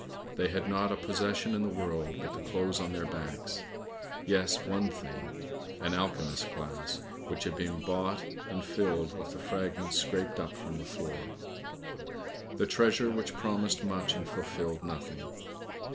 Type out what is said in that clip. They had not a possession in the world but the clothes on their backs; yes, one thing — an alchemist's glass which had been bought and filled with the fragments scraped up from the floor. The treasure which promised much and fulfilled nothing.